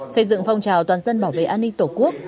xây dựng phong trào toàn dân bảo vệ an ninh tổ quốc